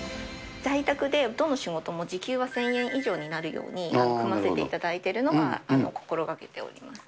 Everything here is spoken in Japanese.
在宅でどの仕事も時給は１０００円以上になるように組ませていただいているのが、心がけております。